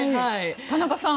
田中さん